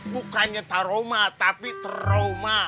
bukannya tak rumah tapi trauma